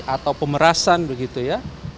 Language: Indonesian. atau pemerasan begitu ya